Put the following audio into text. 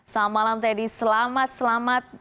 selamat malam teddy selamat selamat